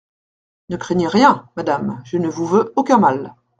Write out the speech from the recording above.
Ne craignez rien, madame, je ne vous veux aucun mal !